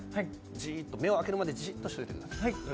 じーっと、目を開けるまでじーっとしていてください。